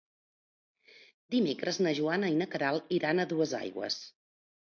Dimecres na Joana i na Queralt iran a Duesaigües.